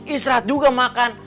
istirahat juga makan